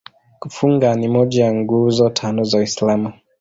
Kufunga ni moja ya Nguzo Tano za Uislamu.